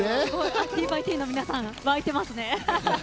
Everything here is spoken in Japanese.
＆ＴＥＡＭの皆さん沸いてますね。